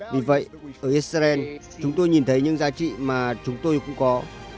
vì vậy ở israel chúng tôi nhìn thấy những giá trị mà chúng tôi cũng có